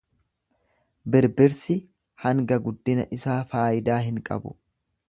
Birbirsi hanga guddina isaa faayidaa hin qabu.